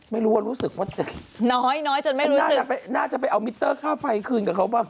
ไม่ได้โจทย์